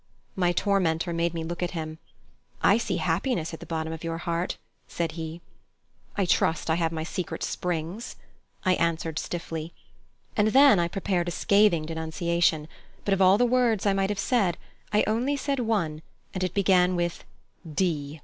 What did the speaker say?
My tormentor made me look at him. "I see happiness at the bottom of your heart," said he. "I trust I have my secret springs," I answered stiffly. And then I prepared a scathing denunciation, but of all the words I might have said, I only said one and it began with "D."